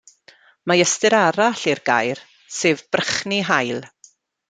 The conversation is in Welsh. Mae ystyr arall i'r gair, sef brychni haul.